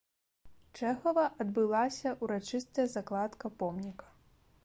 Чэхава адбылася ўрачыстая закладка помніка.